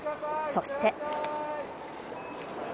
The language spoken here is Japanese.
そして。